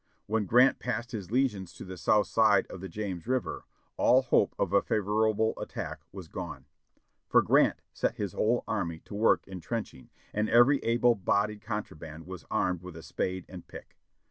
When Grant passed his legions to the south side of the James River all hope of a favorable attack was gone, for Grant set his whole army to work entrenching, and every able bodied contra band was armed with a spade and pick.